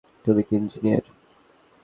তুমি কি ইঞ্জিনিয়ার?